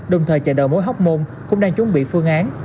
đồng thời chợ đầu mối hóc môn cũng đang chuẩn bị phương án